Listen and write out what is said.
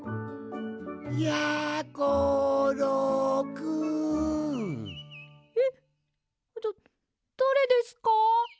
・やころくん！えっだだれですか？